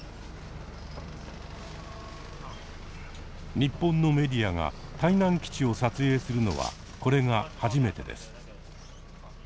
日本のメディアが台南基地を撮影するのはこれが初めてです。